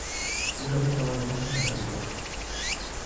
Ura metro bateko altuerara heldu da.